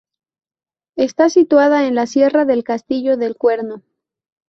Está situada en la sierra del Castillo del Cuerno.